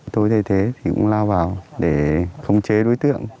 tôi thay thế thì cũng lao vào để khống chế đối tượng